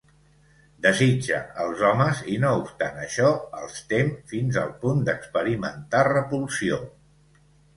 Desitja als homes i no obstant això els tem fins al punt d'experimentar repulsió.